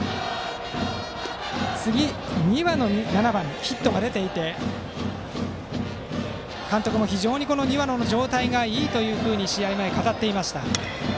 次の庭野にヒットが出ていて監督も非常に庭野の状態がいいと試合前、語っていました。